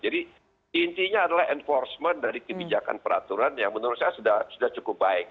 jadi intinya adalah enforcement dari kebijakan peraturan yang menurut saya sudah cukup baik